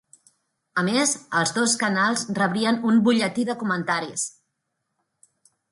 A més, els dos canals rebrien un "butlletí de comentaris".